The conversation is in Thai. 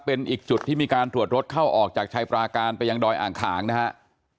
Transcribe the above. เป็นอีกจุดที่มีการตรวจรถเข้าออกจากชายปราการไปยังดอยอ่างขางนะครับ